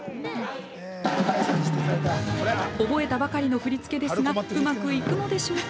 覚えたばかりの振り付けですがうまくいくのでしょうか。